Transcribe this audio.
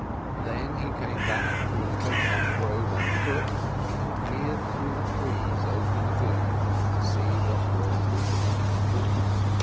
Then he came back through the cocoa nut grove on foot, and peered through the trees over the lagoon to see what was to be seen.